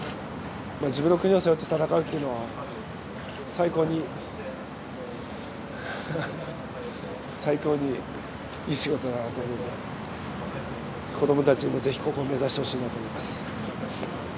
自分の国を背負って戦うというのは最高に、いい仕事だなと思うので子どもたちにもぜひここを目指してほしいなと思います。